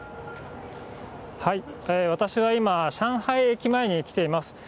私は今、上海駅前に来ています。